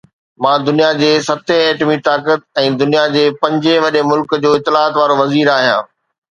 مان دنيا جي ستين ايٽمي طاقت ۽ دنيا جي پنجين وڏي ملڪ جو اطلاعات وارو وزير آهيان